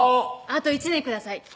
「あと１年ください」